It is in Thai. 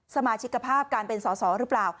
สมาชิกภาพการเป็นสอสอหรือเปล่า